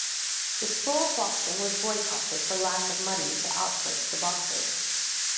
The sport boxing was boycotted for lack of money to output to the boxers.